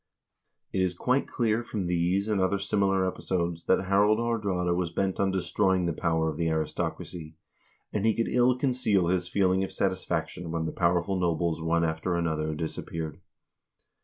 It is quite clear from these and other similar episodes that Harald Ilaardraade was bent on destroying the power of the aristocracy, and he could ill conceal his feeling of satisfaction when the powerful nobles one after another disappeared.